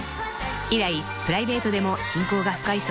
［以来プライベートでも親交が深いそうです］